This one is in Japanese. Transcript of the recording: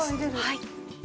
はい。